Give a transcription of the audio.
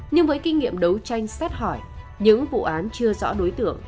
nhưng với kinh nghiệm đấu tranh xét hỏi những vụ án chưa rõ đối tượng